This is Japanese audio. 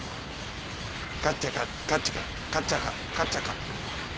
カッチャカカッチャカカッチャカカッチャカ。